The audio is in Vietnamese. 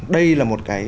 đây là một cái